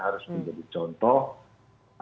harus menjadi contoh